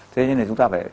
thế nên là chúng ta phải